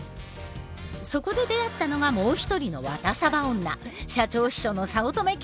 そこで出会ったのがもう一人のワタサバ女社長秘書の早乙女京子。